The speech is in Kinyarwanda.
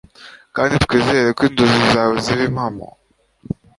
kandi twizere ko inzozi zawe zizaba impamo